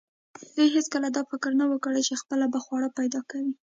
دوی هیڅکله دا فکر نه و کړی چې خپله به خواړه پیدا کوي.